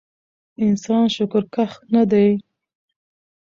انسان شکرکښ نه دی